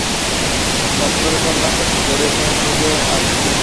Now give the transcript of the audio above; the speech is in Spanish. Las flores son blancas y florecen de julio a septiembre.